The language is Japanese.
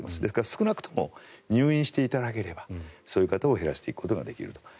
だから、少なくとも入院していただければそういう方を減らすことができると。